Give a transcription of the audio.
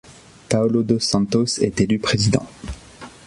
Paolo Dos santos est élu président.